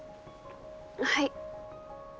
はい。